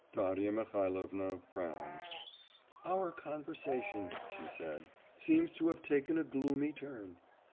Darya Mihailovna frowned. 'Our conversation,' she said, 'seems to have taken a gloomy turn.